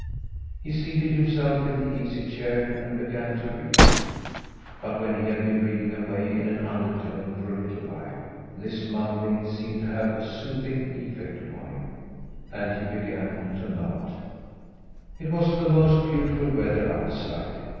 He seated himself in the easy chair, and began to read. But when he had been rattling away in an undertone for a little while, this mumbling seemed to have a soothing effect upon him and he began to nod. It was the most beautiful weather outside!